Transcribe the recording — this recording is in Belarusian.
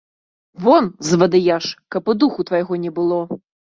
Вон, звадыяш, каб і духу твайго не было.